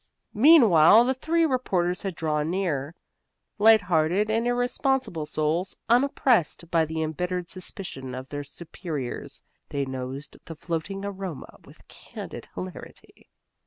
Meanwhile the three reporters had drawn near. Light hearted and irresponsible souls, unoppressed by the embittered suspicion of their superiors, they nosed the floating aroma with candid hilarity.